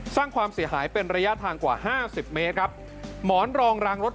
สร้างความเสียหายเป็นระยะทางกว่าห้าสิบเมตรครับหมอนรองรางรถ